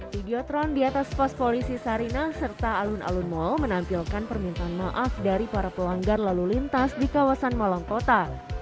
video tron di atas pos polisi sarina serta alun alun mall menampilkan permintaan maaf dari para pelanggar lalu lintas di kawasan malangkota